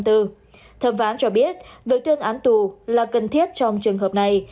thẩm phán cho biết với tuyên án tù là cần thiết trong trường hợp này